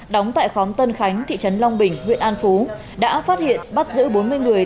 đóng tại khóm tân khánh thị trấn long bình huyện an phú đã phát hiện bắt giữ bốn mươi người